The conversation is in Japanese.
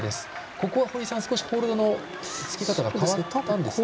ここは堀さんホールドのつき方が変わったんですね。